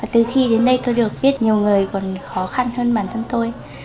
từ khi đến đây tôi được biết nhiều người còn khó khăn hơn bản thân tôi